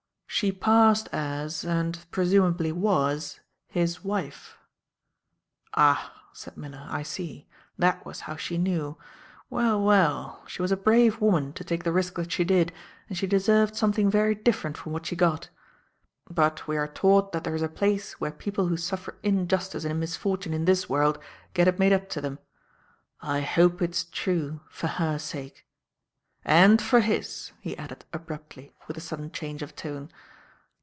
"She passed as and presumably was his wife." "Ah!" said Miller. "I see. That was how she knew. Well, well. She was a brave woman, to take the risk that she did, and she deserved something very different from what she got. But we are taught that there is a place where people who suffer injustice and misfortune in this world get it made up to them. I hope it's true, for her sake and for his," he added abruptly with a sudden change of tone.